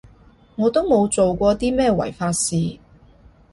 我都冇做啲咩違法事